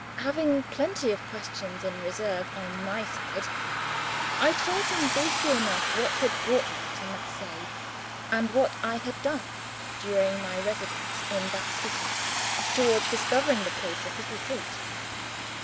Having plenty of questions in reserve, on my side, I told him briefly enough what had brought me to Marseilles, and what I had done, during my residence in that city, towards discovering the place of his retreat.